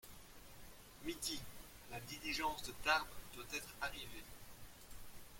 Midi !… la diligence de Tarbes doit être arrivée.